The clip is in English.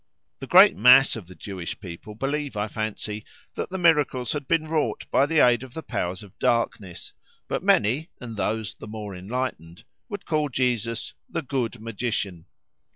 The great mass of the Jewish people believe, I fancy, that the miracles had been wrought by aid of the powers of darkness, but many, and those the more enlightened, would call Jesus "the good Magician."